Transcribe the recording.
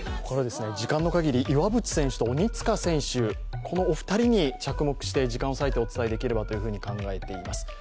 これは時間のかぎり、岩渕選手と鬼塚選手、このお二人に着目して時間を割いてお伝えできればと考えています。